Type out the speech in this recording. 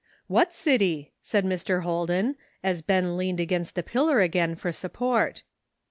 " "What city?" asked Mr. Holden, as Ben leaned against the pillar again for support.